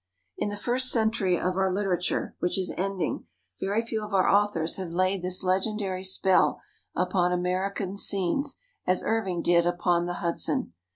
In the first century of our literature, which is ending, very few of our authors have laid this legendary spell upon American scenes as Irving did upon the Hudson.